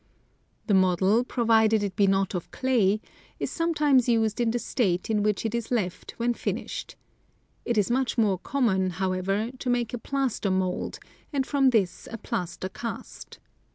The model, provided it be not of clay, is sometimes used in the state in which it is left when finished. It is much more common, however, to make a plaster mould, and from this a plaster cast.